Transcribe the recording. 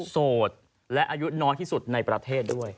โสดและอายุน้อยที่สุดในประเทศด้วย